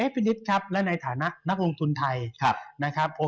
พี่นิดครับและในฐานะนักลงทุนไทยนะครับ